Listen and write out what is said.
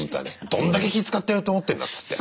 どんだけ気遣ってると思ってんだっつって。